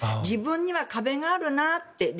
自分には壁があるなって。